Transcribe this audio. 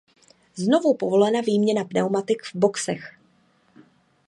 Znovu povolena výměna pneumatik v boxech.